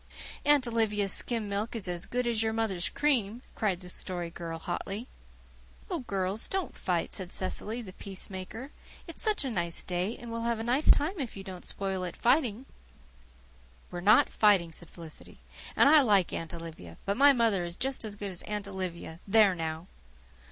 "Aunt Olivia's skim milk is as good as your mother's cream," cried the Story Girl hotly. "Oh, girls, don't fight," said Cecily, the peacemaker. "It's such a nice day, and we'll have a nice time if you don't spoil it by fighting." "We're NOT fighting," said Felicity. "And I like Aunt Olivia. But my mother is just as good as Aunt Olivia, there now!"